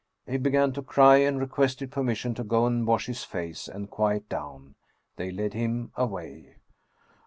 He began to cry and requested permission to go and wash his face and quiet down. They led him away.